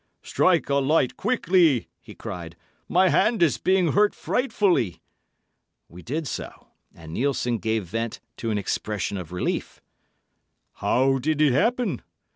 "Strike a light quickly," he cried; "my hand is being hurt frightfully!" We did so, and Nielssen gave vent to an expression of relief. "How did it happen?"